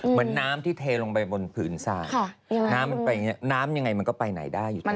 เหมือนน้ำที่เทลงไปบนผืนซากค่ะยังไงน้ำยังไงมันก็ไปไหนได้อยู่ตรงนั้น